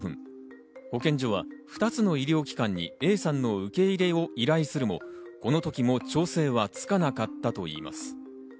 午後１時４５分、保健所は２つの医療機関にＡさんの受け入れを依頼するもこの時も調整はつかなかったといいます。